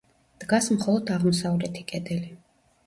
დგას მხოლოდ აღმოსავლეთი კედელი.